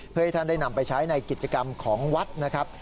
เพื่อให้ท่านได้นำไปใช้ในกิจกรรมของวัดนะครับ